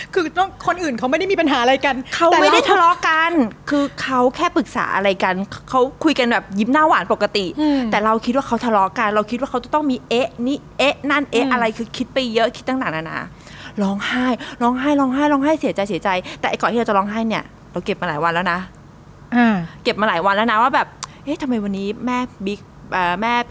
คือคนอื่นเขาไม่ได้มีปัญหาอะไรกันเขาไม่ได้ทะเลาะกันคือเขาแค่ปรึกษาอะไรกันเขาคุยกันแบบยิ้มหน้าหวานปกติแต่เราคิดว่าเขาทะเลาะกันเราคิดว่าเขาต้องมีเอ๊ะนี่เอ๊ะนั่นเอ๊ะอะไรคือคิดไปเยอะคิดตั้งนานาร้องไห้ร้องไห้ร้องไห้ร้องไห้เสียใจเสียใจแต่ก่อนที่เราจะร้องไห้เน